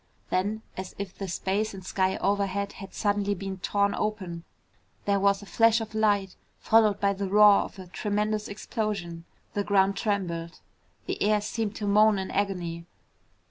Then, as if the space and sky overhead had suddenly been torn open, there was a flash of light followed by the roar of a tremendous explosion. The ground trembled. The air seemed to moan in agony.